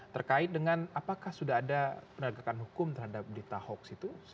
terkait dengan apakah sudah ada penegakan hukum terhadap berita hoax itu